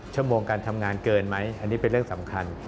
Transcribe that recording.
ชั่วโมงการทำงานเกินไหมอันนี้เป็นเรื่องสำคัญ